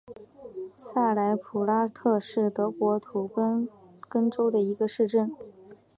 萨莱普拉特是德国图林根州的一个市镇。